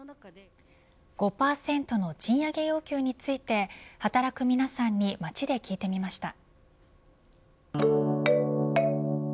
５％の賃上げ要求について働く皆さんに街で聞いてみました。